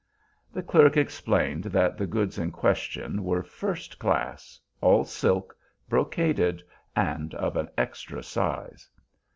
The clerk explained that the goods in question were first class, all silk, brocaded, and of an extra size.